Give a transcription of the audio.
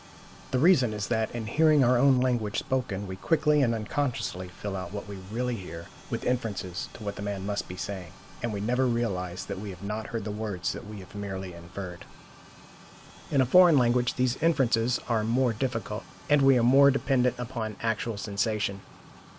The reason is that, in hearing our own language spoken, we quickly and unconsciously fill out what we really hear with inferences to what the man must be saying, and we never realize that we have not heard the words we have merely inferred. In a foreign language, these inferences are more difficult, and we are more dependent upon actual sensation.